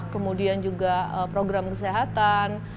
kemudian juga program kesehatan